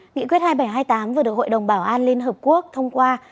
nghị quyết hai nghìn bảy trăm hai mươi tám vừa được hội đồng bảo an liên hợp quốc thông qua